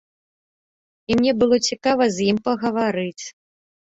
І мне было цікава з ім пагаварыць.